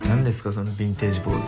そのビンテージポーズ。